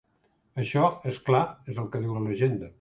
Això, és clar, és el que diu la llegenda.